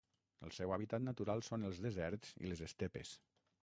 El seu hàbitat natural són els deserts i les estepes.